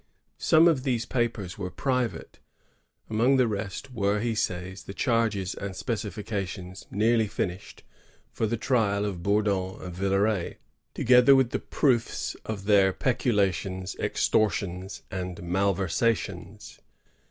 Some of these papers were private; among the rest were, he says, the charges and specifications, nearly finished, for the trial of Bourdon and Villeray, together with the proofe of their ^^peculations, extortions, and malver sations."